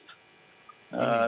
dalam pembangunan republik ini